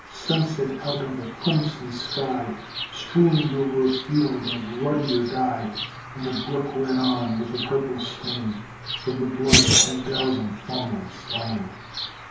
Sunset out of a crimson sky Streamed o'er a field of ruddier dye, And the brook ran on with a purple stain, From the blood of ten thousand foemen slain.